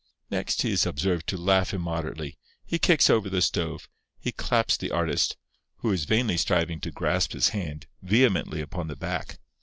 Next he is observed to laugh immoderately; he kicks over the stove; he claps the artist (who is vainly striving to grasp his hand) vehemently upon the back.